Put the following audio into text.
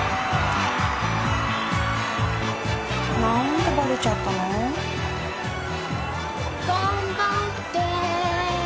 何でバレちゃったの？頑張って。